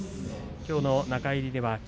きょうの中入りでは霧